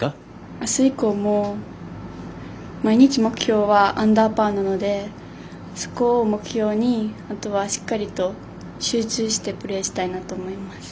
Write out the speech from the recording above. あす以降も毎日、目標はアンダーパーなのでそこを目標に、あとはしっかりと集中してプレーしたいと思います。